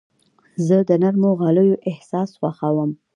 زه د نرمو غالیو احساس خوښوم.